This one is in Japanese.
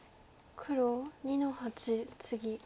黒２の八ツギ。